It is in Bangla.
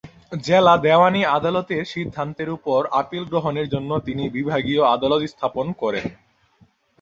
জেলা দেওয়ানি আদালতের সিদ্ধান্তের ওপর আপীল গ্রহণের জন্য তিনি বিভাগীয় আদালত স্থাপন করেন।